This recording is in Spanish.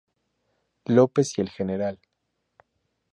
López y el Gral.